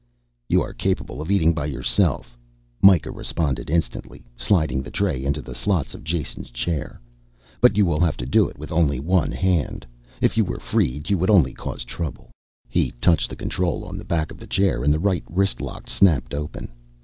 "You are capable of eating by yourself," Mikah responded instantly, sliding the tray into the slots of Jason's chair. "But you will have to do it with only one hand. If you were freed you would only cause trouble." He touched the control on the back of the chair and the right wrist lock snapped open.